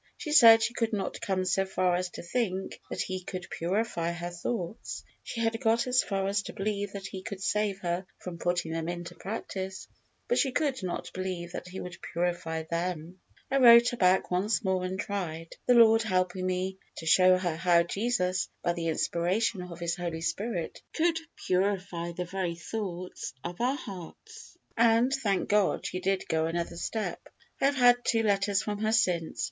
She said she could not come so far as to think that He could purify her thoughts. She had got as far as to believe that He could save her from putting them into practice, but she could not believe that He could purify them. I wrote her back once more, and tried, the Lord helping me, to show her how Jesus, by the inspiration of His Holy Spirit, could purify the very thoughts of our hearts, and, thank God, she did go another step. I have had two letters from her since.